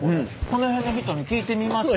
この辺の人に聞いてみます？